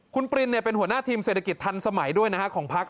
คุณปรินเป็นหัวหน้าทีมเศรษฐกิจทันสมัยด้วยนะฮะของพัก